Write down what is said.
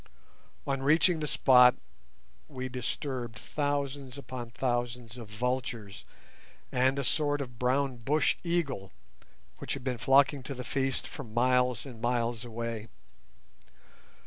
On reaching the spot we disturbed thousands upon thousands of vultures and a sort of brown bush eagle, which had been flocking to the feast from miles and miles away.